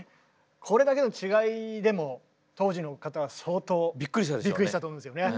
これだけの違いでも当時の方は相当ビックリしたと思いますよね。